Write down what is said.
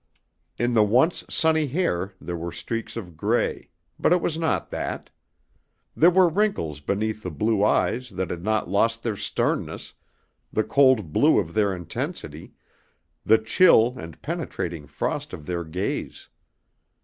In the once sunny hair there were streaks of gray, but it was not that. There were wrinkles beneath the blue eyes that had not lost their sternness, the cold blue of their intensity, the chill and penetrating frost of their gaze.